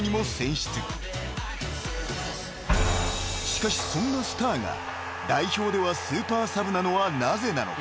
［しかしそんなスターが代表ではスーパーサブなのはなぜなのか］